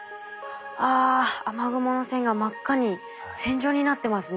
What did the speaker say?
あ雨雲の線が真っ赤に線状になってますね。